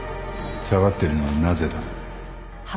下がってるのはなぜだ